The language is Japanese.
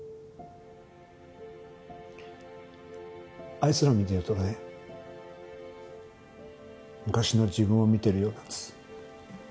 あいつらを見ているとね昔の自分を見てるようなんです。